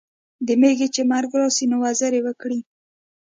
د میږي چي مرګ راسي نو، وزري وکړي.